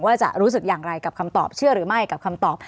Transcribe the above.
ว่าจะรู้สึกอย่างไรกับคำตอบเชื่อหรือไม่กับคำตอบ